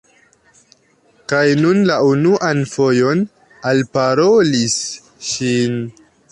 Kaj nun la unuan fojon alparolis ŝin.